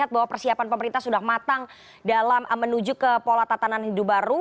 bahwa persiapan pemerintah sudah matang dalam menuju ke pola tatanan hidup baru